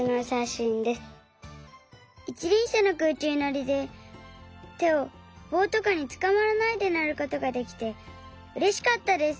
いちりんしゃのくうちゅうのりでてをぼうとかにつかまらないでのることができてうれしかったです。